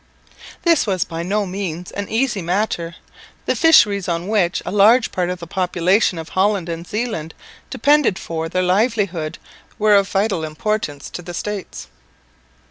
This was by no means an easy matter. The fisheries, on which a large part of the population of Holland and Zeeland depended for their livelihood, were of vital importance to the States.